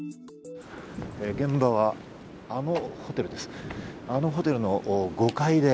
現場はあのホテルです。